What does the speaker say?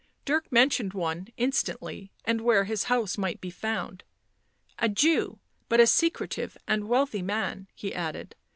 Dirk mentioned one instantly, and where his house might be found. " A Jew, but a secretive and wealthy man," he added.